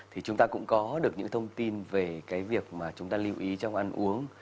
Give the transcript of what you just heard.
thì chúng ta cũng có được những thông tin về cái việc mà chúng ta lưu ý trong ăn uống